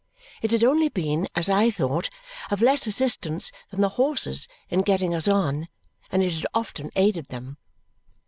It had only been, as I thought, of less assistance than the horses in getting us on, and it had often aided them.